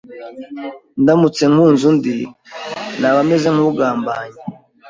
ndamutse nkunze undi naba meze nk’ugambanye